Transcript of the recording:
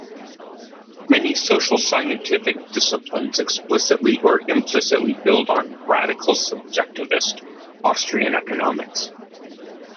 Many social scientific disciplines explicitly or implicitly build on "radical subjectivist" Austrian Economics.